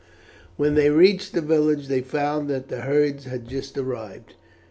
When they reached the village they found that the herds had just arrived.